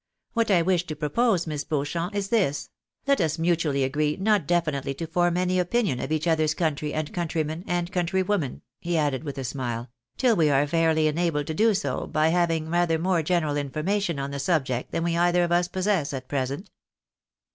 What I wish to propose. Miss Beauchamp, is this : let us mutually agree not definitely to form any opinion of each other's country and countrymen and countrywomen," he added, with a smile, " till we are fairly enabled to do so by having rather more general information on the subject than we either of us possess at present."